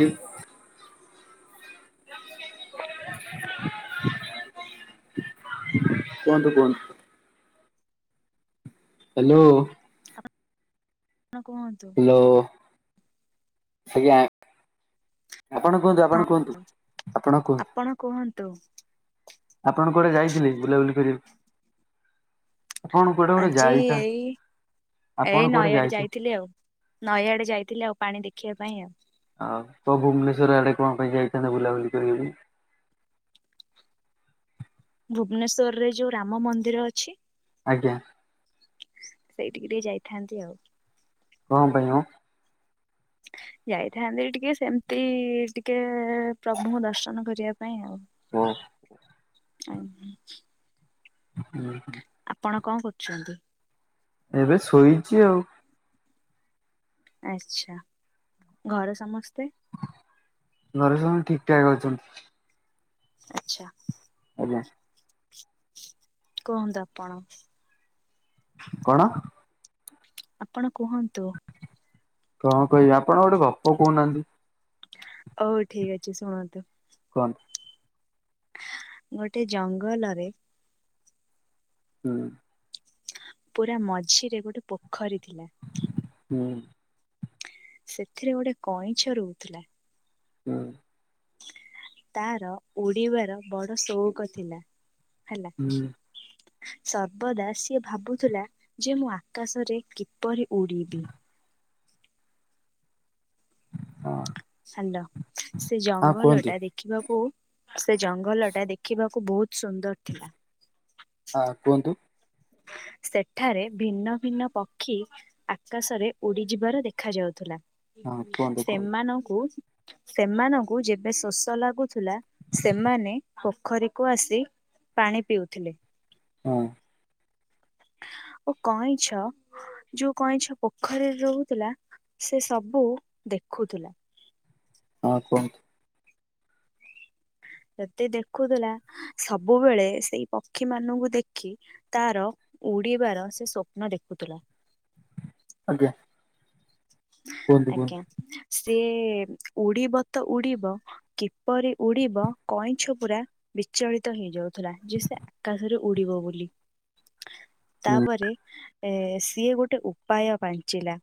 ହୁଁ। କୁହନ୍ତୁ କୁହନ୍ତୁ। ହାଲୋ। ହଁ କୁହନ୍ତୁ। ହାଲୋ ଆଜ୍ଞା। ଆପଣ କୁହନ୍ତୁ ଆପଣ କୁହନ୍ତୁ ଆପଣ କୁହ ଆପଣ କୁଆଡେ ଯାଇଥିଲେ ବୁଲାବୁଲି କରିବା ଗୋଟେ ଆଜି ଯାଇଥା ଏଇ ଆପଣ ଏଇ କୁଆଡେ ନଇ ଆଡେ ଯାଇଥା ଯାଇଥିଲି ଆଉ। ନଈଆଡେ ଯାଇଥିଲି ଆଉ ପାଣି ଦେଖିବା ପାଇଁ ଆଉ। ଆଉ କ ଭୁବନେଶ୍ୱର ଆଡେ କଣ ପାଇଁ ଯାଇଥାନ୍ତେ ବୁଲାବୁଲି କରିବାକୁ? ଭୁବନେଶ୍ଵରରେ ଯୋଉ ରାମ ମନ୍ଦିର ଅଛି। ଆଜ୍ଞା। ସେଇଠିକି ଟିକେ ଯାଇଥାନ୍ତି ଆଉ। କଣ ପାଇଁ ମ? ଯାଇଥାନ୍ତି ଟିକେ ସେମିତି ଟିକେ। ପ୍ରଭୁଙ୍କୁ ଦର୍ଶନ କରିବା ପାଇଁ ଓ ଆଉ ଆ ହୁଁ ହୁଁ। ଆପଣ କଣ କରୁଛନ୍ତି? ଏବେ ଶୋଇଛି ଆଉ। ଆଛା ଘରେ ସମସ୍ତେ। ଘରେ ସବୁ ଠିକ ଠାକ ଅଛନ୍ତି। ଆଚ୍ଛା। ଆଜ୍ଞା। କୁହନ୍ତୁ ଆପଣ। କଣ? ଆପଣ କୁହନ୍ତୁ। କଣ କହିବି ଆପଣ ଗୋଟେ ଗପ କହୁନାହାନ୍ତି। ହଉ ଠିକ ଅଛି ଶୁଣନ୍ତୁ। କୁହନ୍ତ ଗୋଟେ ଜଙ୍ଗଲରେ ହୁଁ। ପୁରା ମଝିରେ ଗୋଟେ ପୋଖରୀ ଥିଲା। ହୁଁ। ସେଥିରେ ଗୋଟେ କଇଁଛ ରହୁଥିଲା। ହୁଁ। ତାର ଉଡିବାର ବଡ଼ ଶଉକ ଥିଲା ହେଲା। ହୁଁ ସର୍ବଦା ସିଏ ଭାବୁଥିଲା। ଯେ ମୁଁ ଆକାଶରେ କିପରି ଉଡିବି? ହଁ। ସଲ ସେ ହଁ ଜଙ୍ଗଲ ଟା କୁହନ୍ତୁ ଦେ ଦେଖିବାକୁ ସେ ଜଙ୍ଗଲ ଟା ଦେଖିବାକୁ ବହୁତ ସୁନ୍ଦର ଥିଲା। ହଁ କୁହନ୍ତୁ। ସେଠାରେ ଭିନ୍ନ ଭିନ୍ନ ପକ୍ଷୀ ଆକାଶରେ ଉଡିଯିବାର ଦେଖ ଯାଉଥିଲା। ହଁ କୁହନ୍ତୁ କୁହନ୍ତୁ ସେମାନଙ୍କୁ ସେମାନଙ୍କୁ ଯେବେ ଶୋଷ ଲାଗୁଥିଲା ସେମାନେ ପୋଖରୀକୁ ଆସି ପାଣି ପିଉଥିଲେ। ହଁ। ଓ କଇଁଛ ଯୋଉ କଇଁଛ ପୋଖରୀରେ ରହୁଥିଲା ସେ ସବୁ ଦେଖୁଥିଲା। ହଁ କୁହନ୍ତୁ। ଯଦେ ଦେଖୁଥିଲା ସବୁବେଳେ ସେଇ ପକ୍ଷୀ ମାନଙ୍କୁ ଦେଖି ତାର ଉଡିବାର ସେ ସ୍ଵପ୍ନ ଦେଖୁଥିଲା। ଆଜ୍ଞା। କୁହନ୍ତୁ ଆଜ୍ଞା କୁହନ୍ତୁ ସିଏ ଉଡିବ ତ ଉଡିବ କିପରି ଉଡିବ କଇଁଛ ପୁରା? ବିଚଳିତ ହେଇଯାଉଥିଲା ଯେ ସେ ଆକାଶରେ ଉଡିବ ବୋଲି। ହୁଁ ତାପରେ ଏ ସିଏ ଗୋଟେ ଉପାୟ ପାଞ୍ଚିଲା।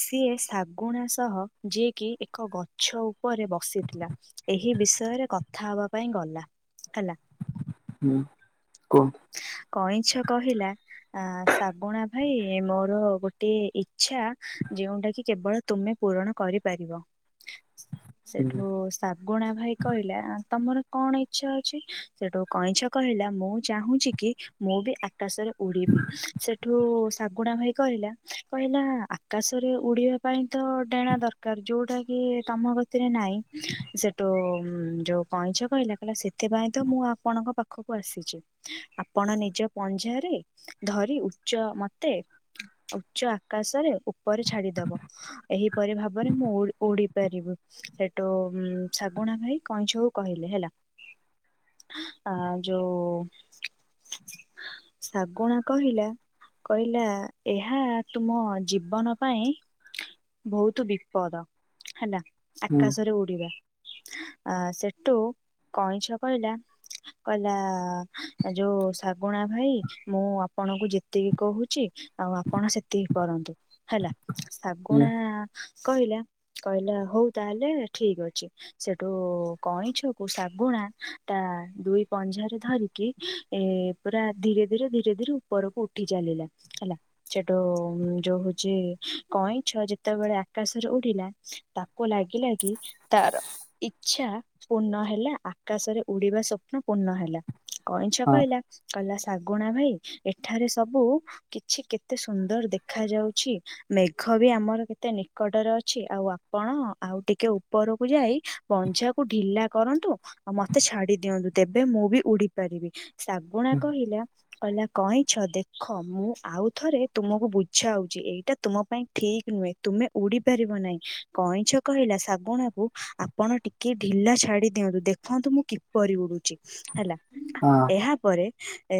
ସିଏ ଶାଗୁଣା ସହ ଯିଏକି ଏକ ଗଛ ଉପରେ ବସିଥିଲା। ଏହି ବିଷୟରେ କଥା ହବା ପାଇଁ ଗଲା ହେଲା। ହୁଁ କୁହନ୍ତୁ। କଇଁଛ କହିଲା ଆଁ ଶାଗୁଣା ଭାଇ ମୋର ଗୋଟିଏ ଇଚ୍ଛା ଯେଉଁଟା କି କେବଳ ତୁମେ ପୂରଣ କରିପାରିବ ହୁଁ ସେଠୁ ଶାଗୁଣା ଭାଇ କହିଲା ଆଁ ତମର କଣ ଇଚ୍ଛା ଅଛି ସେଠୁ କଇଁଛ କହିଲା ମୁଁ ଚାହୁଁଛି କି ମୁଁ ବି ଆକାଶରେ ଉଡିବି ସେଠୁ ଶାଗୁଣା ଭାଇ କହିଲା କହିଲା ଆ ଆକାଶରେ ଉଡିବା ପାଇଁ ତ ଡେଣା ଦରକାର ଯୋଉଟା କି ତମ ଗତିରେ ନାହିଁ। ସେଠୁ ଉଁ ଯୋଉ କଇଁଛ କହିଲା କହିଲା ସେଥିପାଇଁ ତ ମୁଁ ଆପଣଙ୍କ ପାଖକୁ ଆସିଛି। ଆପଣ ନିଜ ପଞ୍ଝାରେ ଧରି ଉଚ୍ଚ ମତେ ଉଚ୍ଚ ଆକାଶରେ ଉପରେ ଛାଡିଦବ। ଏହିପରି ଭାବରେ ମୁଁ ଉଡ୍-ଉଡିି ପାରିବୁ। ସେଠୁ ଶାଗୁଣା ଭାଇ କଇଁଛ କୁ କହିଲେ ହେଲା। ଆ ଯଉ ଶାଗୁଣା କହିଲା। କହିଲା ଏହା ତୁମ ଜୀବନ ପାଇଁ ବହୁତ ବିପଦ ହେଲା ହୁଁ ଆକାଶରେ ଉଡିବା। ଆ ସେଠୁ କଇଁଛ କହିଲା କହିଲା ଯୋଉ ଶାଗୁଣା ଭାଇ ମୁଁ ଆପଣଙ୍କୁ ଯେତିକି କହୁଛି। ଆଉ ଆପଣ ସେତିକି କରନ୍ତୁ ହେଲା ଇଏ ଶାଗୁଣା କହିଲା କହିଲା ହଉ ତାହେଲେ ଠିକ ଅଛି। ସେଠୁ କଇଁଛକୁ ଶାଗୁଣା ତା ଦୁଇ ପଞ୍ଝାରେ ଧରିକି ଏ ପୁରା ଧୀରେ ଧୀରେ ଧୀରେ ଧୀରେ ଉପରକୁ ଉଠି ଚାଲିଲା ହେଲା। ଛେଟୁଯୋଉ ଯେ କଇଁଛ ଯେତେବେଳେ ଆକାଶରେ ଉଡିଲା ତାକୁ ଲାଗିଲା କି ତାର ଇଚ୍ଛା ପୂର୍ଣ୍ଣ ହେଲା ଆକାଶରେ ଉଡିବା ସ୍ୱପ୍ନ ପୂର୍ଣ୍ଣ ହେଲା। କଇଁଛ ହଁ କହିଲା କହିଲା ଶାଗୁଣା ଭାଇ ଏଠାରେ ସବୁ କିଛି କେତେ ସୁନ୍ଦର ଦେଖାଯାଉ ଛି। ମେଘ ବି ଆମର କେତେ ନିକଟରେ ଅଛି ଆଉ ଆପଣ ଆଉ ଟିକେ ଉପରକୁ ଯାଇ ପଞ୍ଝା କୁ ଢିଲା କରନ୍ତୁ। ଆଉ ମତେ ଛାଡି ଦିଅନ୍ତୁ ତେବେ ମୁଁ ବି ଉଡି ପାରିବି ଶାଗୁଣା ହୁଁ କହିଲା କିହିଲା କଇଁଛ ଦେଖ ମୁଁ ଆଉ ଥରେ ତୁମକୁ ବୁଝାଉ ଏଇଟା ତୁମ ପାଇଁ ଠିକ୍ ନୁହେଁ ତୁମେ ଉଡି ପାରିବ ନାହିଁ କଇଁଛ କହିଲା ଶାଗୁଣାକୁ ଆ ଆପଣ ଟିକେ ଢିଲା ଛାଡି ଦିଅନ୍ତୁ ଦେଖନ୍ତୁ ମୁଁ କିପ କିପରି ଉଡୁଛି ହେଲା ହଁ ଏହା ପରେ ଏ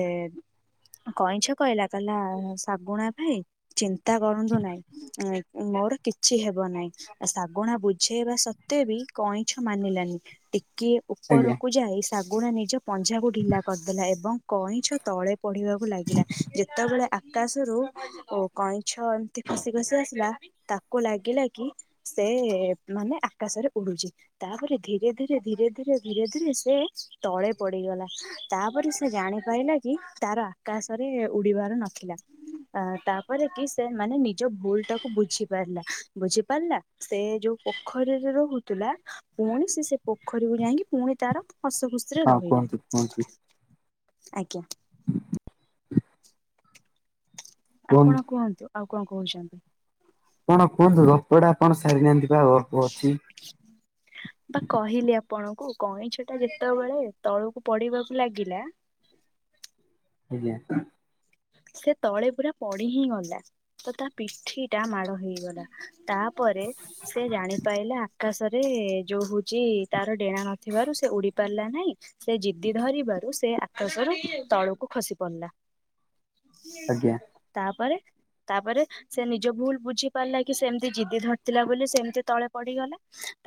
କଇଁଛ କହିଲା କହିଲା ଶାଗୁଣା ଭାଇ ଚିନ୍ତା କରନ୍ତୁ ନାହିଁ ଏଁ ମୋର କିଛି ହେବ ନାହିଁ। ଶାଗୁଣା ବୁଝେଇବା ସତ୍ତ୍ୱେ ବି କଇଁଛ ମାନିଲାନି ଟିକେ ଆଜ୍ଞା ଉପରକୁ ଯାଇ ଶାଗୁଣା ନିଜ ପଞ୍ଜାକୁ ଢିଲା କରିଦେଲା ଏବଂ କଇଁଛ ତଳେ ପଡ଼ିବାକୁ ଲାଗିଲା ଯେତେବେଳେ ଆ ଆକାଶରୁ ଓ କଇଁଛ ଏମତି ଖସି ଖସି ଆସିଲା ତାକୁ ଲାଗିଲା କି ସେ ମାନେ ଆକାଶରେ ଉଡୁଚି। ତାପରେ ଧୀରେ ଧୀରେ ଧୀରେ ଧୀରେ ଧୀରେ ଧୀରେ ସେ ତଳେ ପଡିଗଲା। ତାପରେ ସେ ଜାଣିପାଇଲା କି ତାର ଆକାଶରେ ଉଡ଼ିବାର ନଥିଲା ଆଁ ତା ପରେ କି ସେ ମାନେ ନିଜ ଭୁଲ ଟାକୁ ବୁଝି ପାରିଲା ବୁଝି ପାରିଲା ସେ ଯୋଉ ପୋଖ୍ ପୋଖରୀରେ ରହୁଥିଲା ପୁଣି ସେ ସେ ପୋଖରୀକୁ ଯାଇଁକି ପୁଣି ତାର ହସ ଖୁସିରେ ହଁ ରହିଲା କୁହନ୍ତୁ କୁହନ୍ତୁ ଆଜ୍ଞା। ଆପଣ କୁହନ୍ତୁ ଆଉ କଅଁ କହୁଚନ୍ତି? ଆପଣ କୁହନ୍ତୁ ରବଡ଼ା ଆପଣ ସାରିନାହାନ୍ତି ପା ଅଳ୍ପ ଅଛି। ମୁଁ ବା କହିଲି ଆପଣଙ୍କୁ କଇଁଛ ଟା ଯେତେବେଳେ ତଳକୁ ପଡିବାକୁ ଲାଗିଲା ଆଜ୍ଞା। ସେ ତଳେ ପୁରା ପଡି ହିଁ ଗଲା। ତ ତା ପିଠି ଟା ମାଡ ହେଇଗଲା ତାପରେ ସେ ଜାଣିପାଇଲା ଆକାଶରେ ଯୋଉ ହଉଛି ତାର ଡେଣା ନଥିବାରୁ ସେ ଉଡି ପାରିଲା ନାହିଁ। ସେ ଜିଦି ଧରିବାରୁ ସେ ଆକାଶର ତଳକୁ ଖସି ପଡ଼ିଲା। ଆଜ୍ଞା ତାଆ ପରେ। ତାପରେ ସେ ନିଜ ଭୁଲ ବୁଝି ପାରିଲା କି ସେ ଏମିତି ଜିଦି ଧରିଥିଲା ବୋଲି ସେ ଏମିତି ତଳେ ପଡିଗଲା।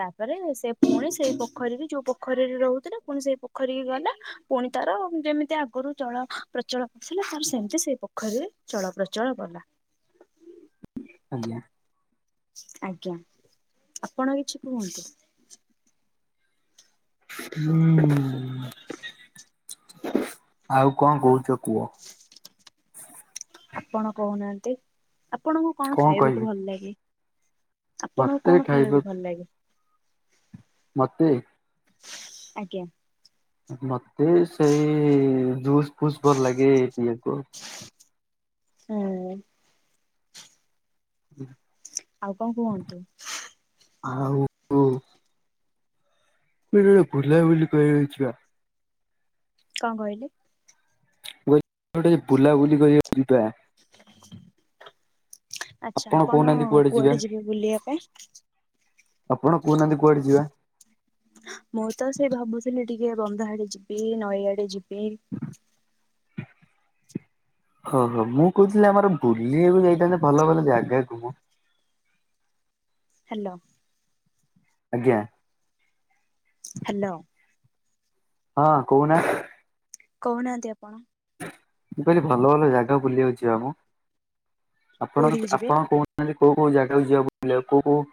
ତାପରେ ସେ ପୁଣି ସେଇ ପୋଖରୀରେ ଯୋଉ ପୋଖରୀରେ ରହୁଥିଲା ପୁଣି ସେଇ ପୋଖରୀ କି ଗଲା। ପୁଣି ତାର ଯେମିତି ଆଗରୁ ଚଳ ପ୍ରଚଳ କରୁଥିଲା ତାର ସେମତି ଯେ ସେଇ ପୋଖରୀରେ ଚଳପ୍ରଚଳ କଲା। ଆଜ୍ଞା। ଆଜ୍ଞା ଆପଣ କିଛି କୁହନ୍ତୁ? ହୁଁ ଆଉ କଅଁ କହୁଛ କୁହ? ଆପଣ କହୁନାହାନ୍ତି ଆପଣଙ୍କୁ କଣ ଖାଇବାକୁ ଭଲ ଲାଗେ? ଆପଣଙ୍କୁ ମତେ କଣ ଖାଇବା ଖାଇବାକୁ ଭଲ ଲାଗେ? ମତେ। ଆଜ୍ଞା। ମତେ ସେଇ ଜୁସ୍ ଫୁସ୍ ଭଲ ଲାଗେ ଏଇ ପିଇବାକୁ। ହୁଁ। ଆଉ କଣ କୁହନ୍ତୁ ଆଉ ଯୋଉ କୁଆଡେ ବୁଲାବୁଲି କରିବାକୁ ଇଚ୍ଛା। କଣ କହିଲୁ? କୁଆଡେ ଗୋଟେ ବୁଲାବୁଲି କରିବାକୁ ଯିବା। ଆଚ୍ଛା ଆପଣ କୁଆଡେ ଯିବେ ବୁଲିବା ପାଇଁ? ଆପଣ କହୁନାହାନ୍ତି କୁଆଡେ ଯିବା? ମୁଁ ତ ସେ ଭାବୁଥିଲି ସେ ଟିକେ ବନ୍ଧ ଆଡେ ଯିବି ନଈଆଡେ ଯିବି। ହଁ ହଁ ମୁଁ କହୁଥିଲି ଆମର ବୁଲିବାକୁ ଯାଇଥାନ୍ତେ ଭଲ ଭଲ ଜାଗାକୁ ମ। ହ୍ୟାଲୋ। ଆଜ୍ଞା। ହ୍ୟାଲୋ। ହଁ କହୁନା। କହୁନାହାନ୍ତି ଆପଣ? ମୁଁ କହିଲି ଭଲ ଭଲ ଜାଗା ବୁଲିବାକୁ ଯିବା ମ ଆପଣ କୋଉଠିକି ଯିବେ? ଆପଣ କ ମାନେ କୋଉ କୋଉ ଜାଗାକୁ ଯିବା ବୁଲିବାକୁ କୋଉ କୋଉ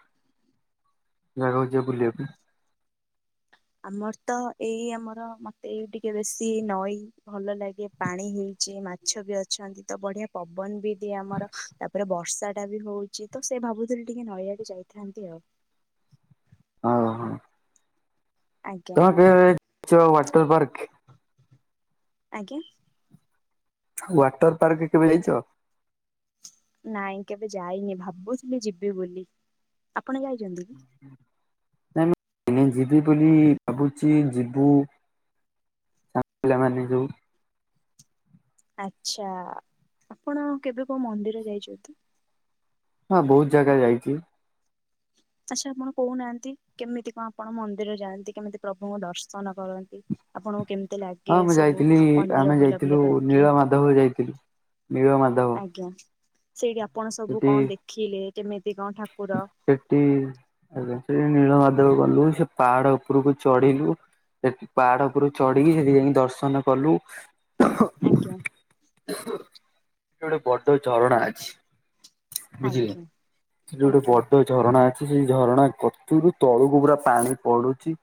ଜାଗାକୁ ଯିବା ବୁଲିବାକୁ। ଆମର ତ ଏଇ ଆମର ମତେ ଟିକେ ବେଶୀ ନଈ ଭଲ ଲାଗେ ପାଣି ହେଇଛି ମାଛ ବି ଅଛନ୍ତି ତ ବଢିଆ ପବନ ବି ଦିଏ ଆମର। ତାପରେ ବର୍ଷା ଟା ବି ହୋଉଚି ତ ସେ ଭାବୁଥିଲେ ଟିକେ ନଈଆଡେ ଯାଇଥାନ୍ତି ଆଉ। ଅହଁ। ଆଜ୍ଞା। ବେ ସେ ୱାଟର ପାର୍କେ। ଆଜ୍ଞା। ୱାଟର ପାର୍କ କେବେ ଯାଇଚ? ନାଇଁ କେବେ ଯାଇନି ଭାବୁଚି ମୁଁ ଯିବି ବୋଲି। ଆପଣ ଯାଇଚନ୍ତି? ଉଁ ହୁଁ। ଏ ନା ଯିବି ବୋଲି ଭାବୁଚି ଯିବି ସାଙ୍ଗ ମାନେ ଯୋଉ ଆଚ୍ଛା ଆପଣ କେବେ କୋଉ ମନ୍ଦିର ଯାଇଚନ୍ତି? ହଁ ବହୁତ ଜାଗା କୁ ଯାଇଚି। ଆଚ୍ଛା ଆପଣ କହୁନାହାନ୍ତି କେମିତି କଣ ଆପଣ ମନ୍ଦିର ଯାଆନ୍ତି କେମିତି ପ୍ରଭୁଙ୍କ ଦର୍ଶନ କରନ୍ତି? ଆପଣଙ୍କୁ କେମିତି ହଁ ଲାଗେ ମୁଁ ସବୁ ମନ୍ଦିର ବୁଲାବୁଲି କରିକି? ସବୁ ଯାଇଥିଲୁ ନୀଳ ମାଧବ ଆଜ୍ଞା ସେଇଠି ଆପଣ ସବୁ ସେଠି କଣ ଦେଖିଲେ କେମିତି କଣ ଠାକୁର ସେଠି ଆଜ୍ଞା ସେଇ ନୀଳ ମାଧବ ଗଲୁ ସେ ପାହାଡ ଉପରକୁ ଚଢିଲୁ ସେଠି ପାହାଡ ଉପରୁ ଚଢିକି ସେଠି ଯାଇ କି ଦର୍ଶନ କଲୁ। ଆଜ୍ଞା। ଗୋଟେ ବଡ ଝରଣା ଅଛି ବୁଝିଲେ ଆଜ୍ଞା ଗୋଟେ ଆଜ୍ଞା ବଡ ଝରଣା ଅଛି ସେଇ ଝରଣା କତରୁ ତଳୁକୁ ପୁରା ପାଣି ପଡୁଚି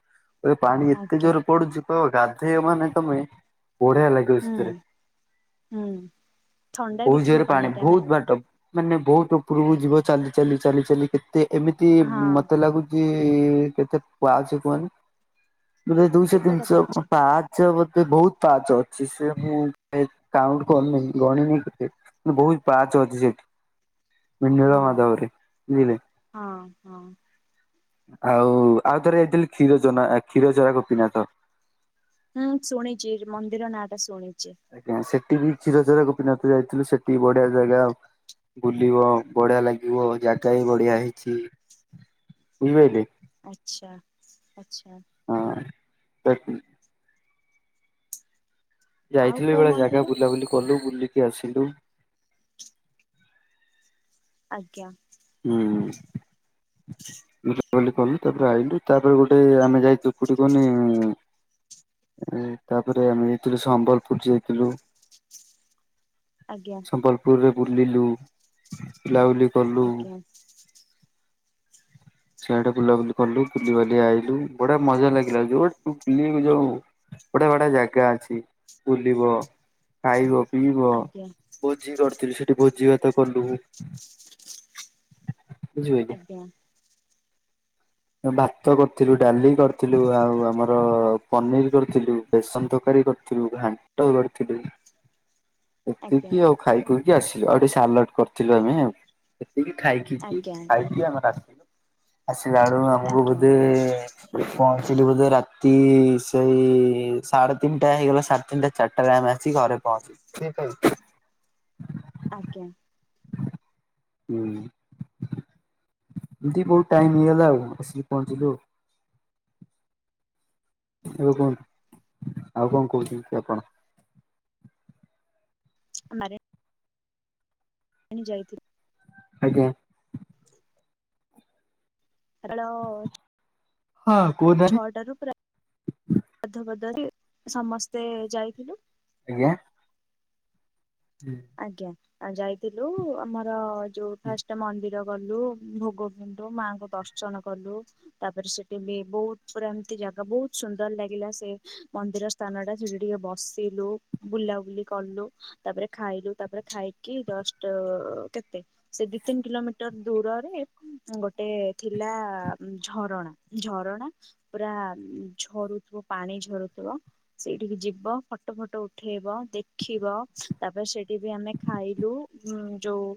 ପାଣି ଏତେ ଆଜ୍ଞା ଜୋରରେ ପଡୁଛି କହିବ ଗାଧୋଇବ ମାନେ ତମେ ବଢିଆ ଲାଗି ହୁଁ କୋଉସ୍ତିରେ ହୁଁ ଥଣ୍ଡା ବି ବହୁତ ଥିବ ଜୋରେ ପାଣି ଟା ନା ବହୁତ ବାଟ ମାନେ ବହୁତ ଉପରକୁ ଯିବ ଚାଲି ଚାଲି ଚାଲି ଚାଲି କେତେ ଏମିତି ହଁ ମତେ ଲାଗୁ ଯେ କେତେ ପାଚ କହନି ଦୁଇଶ କେତେଟା ତିିନ ପାହାଚ ପା ସେ ବୋତେ ବହୁତ ପାଚ ଅଛି ସେ ମୁଁ କାଉଣ୍ଟ କରିନି ଗଣିନି କେତେ। ବହୁତ ପାଚ ଅଛି ସେଠି ନିଳ ହଁ ମାଧାବରେ ଯାଇଁଲେ। ହଁ ହଁ। ଆଉ ଆଉଥରେ ଯାଇଥିଲି କ୍ଷୀର ଚନା କ୍ଷୀରଚରାକୁ ଗପିନାଥ। ହୁଁ ଶୁଣିଛି ମନ୍ଦିର ନାଁ ଟା ଶୁଣିଚି। ଆଜ୍ଞା ସେଠି ବି ଛିରଚରା ଗୋପିନାଥ ଯାଇଥିଲୁ ସେଠି ବଢିଆ ଜାଗା। ବୁଲିବ ବଢିଆ ଲାଗିବ ଜାଗା ବି ବଢିଆ ହେଇଚି ବୁଝିପାଇଲେ। ଆଚ୍ଛା ଆଚ୍ଛା। ହଁ ସେଠି ଆଉ ଯାଇଥିଲୁ କୋଉ ଏଇଭଳିଆ ଜାଗା ମନ୍ଦିର ବୁଲାବୁଲି କଲୁ ବୁଲିକି ଆସିଲୁ। ଆଜ୍ଞା। ହୁଁ। ବୁଲା ବୁଲି କଲୁ ତାପରେ ଆଇଲୁ ତାପରେ ଗୋଟେ ଆମେ ଯାଇଛୁ କୋଠି କୁଅନି। ହୁଁ ତାପରେ ଆମେ ଯାଇଥିଲୁ ସମ୍ବଲପୁର ଯାଇଥିଲୁ। ଆଜ୍ଞା। ସମ୍ବଲପୁରରେ ବୁଲିଲୁ ବୁଲାବୁଲି କଲୁ। ଆଜ୍ଞା ସିଆଡେ ବୁଲାବୁଲି କଲୁ ବୁଲିିବାଲି ଆଇଲୁ ବଢିଆ ମଜା ଲାଗିଲା ଯୁଆଡ଼େ ବି ବୁଲିବାକୁ ଯାଉ ବଢ଼ିଆ ବଢ଼ିଆ ଜାଗା ଅଛି ବୁଲିବ। ଖାଇବ ପିଇବ ଆଜ୍ଞା ଭୋଜି କରିଥିଲୁ ସେଠି ଭୋଜି ଭାତ କଲୁ। ବୁଝିପାଇଲେ। ଆଜ୍ଞା ଭାତ କରିଥିଲୁ, ଡାଲି କରିଥିଲୁ, ଆଉ ଆମର ପନିର୍ କରିଥିଲୁ, ବେସନ ତରକାରୀ କରିଥିଲୁ। ଆଉ ଘାଣ୍ଟ କରିଥିଲୁ। ଏତିକି ଆଜ୍ଞା ଆଉ ଖାଇ ଖୁଇକି ଆସିଲୁ ଆଉ ଗଟେ ସାଲେଡ କରିଥିଲୁ ଆମେ ଆଉ। ସେତିକି ଖାଇ ଆଜ୍ଞା ପିଇକି ଆଜ୍ଞା ଖାଇକି ଆମର ଆସିଲୁ ଆସିଲା ବେଳୁ ଆମକୁ ଆଜ୍ଞା ବୋଧେ ପହଞ୍ଚିଲୁ ବୋଧେ ରାତି ସେଇ ସାଢେ ତିନିଟା ହେଇଗଲା ସାଢେ ତିନିଟା ଚାରିଟାରେ ଆମେ ଆସିି ଘରେ ପହଞ୍ଚିବୁ। ଆଜ୍ଞା। ହୁଁ ଏମିତି ବହୁତ ଟାଇମ ହେଇଗଲା ଆଉ ଆସିକି ପହଞ୍ଚିଲୁ ଆଉ। ଏବେ କୁହନ୍ତୁ ଆଉ କଣ କହୁଛନ୍ତି କି ଆପଣ। ଆରେ। ଆମେ ଯାଇଥିଲୁ। ଆଜ୍ଞା। ହ୍ୟାଳଓ। ହଁ କୁଅ ଦେ ଛଅଟାରୁ ପ୍ରାୟ ଗାଧ ଫାଧୁଆ ସାରି ସମସ୍ତେ ଯାଇଥିଲୁ। ଆଜ୍ଞା। [inaudible] ଆଜ୍ଞା ଆ ଯାଇଥିଲୁ ଆମର ଯୋଉ ଫାଷ୍ଟ ମନ୍ଦିର ଗଲୁ ଭୋଗ ଲୁ ମାଆଙ୍କୁ ଦର୍ଶନ କଲୁ। ତାପରେ ସେଠି ବି ବହୁତ ପୁରା ଏମିତି ଜାଗା ବହୁତ ସୁନ୍ଦର ଲାଗିଲା ସେ ମନ୍ଦିର ସ୍ଥାନ ଟା ସେଠି ଟିକେ ବସିଲୁ ବୁଲାବୁଲି କଲୁ ତାପରେ ଖାଇଲୁ ତାପରେ ଖାଇକି ଜଷ୍ଟ କେତେ ସେ ଦିଇ ତିନି କିଲୋମିଟର ଦୂରରେ ଗୋଟେ ଥିଲା ଝରଣା। ଝରଣା ପୁରା ଝରୁଥିବ ପାଣି ଝରୁଥିବ। ସେଇଠିକି ଯିବା ଫଟୋ ଫଟ ଉଠେଇବ ଦେଖିବ। ତାପରେ ସେଠି ବି ଆମେ ଖାଇଲୁ ଯୋଉ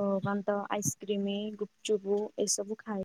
ଓ ମା ନ ତ ଆଇସ୍କ୍ରିମ ଗୁପଚୁପୁ ଏସବୁ ଖାଏ